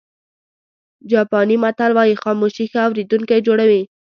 جاپاني متل وایي خاموشي ښه اورېدونکی جوړوي.